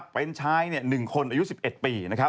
เป็นชาย๑คนอายุ๑๑ปี